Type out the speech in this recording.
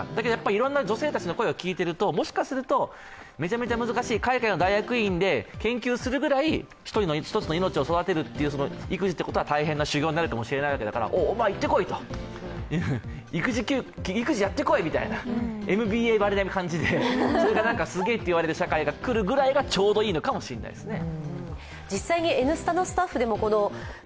いろんな女性たちの声を聞いていると、もしかすると、めちゃめちゃ難しい海外の研究員で研究するくらい一つの命を育てる育児というのは大変な修業になるかもしれないわけだから、お前、行ってこいと、育児やってこいみたいな、ＭＢＡばりな感じでいわれるのがちょうどいいのかもしれないですね。